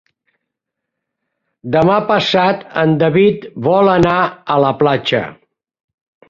Demà passat en David vol anar a la platja.